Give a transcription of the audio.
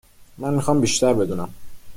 من می خوام بیشتر بدونم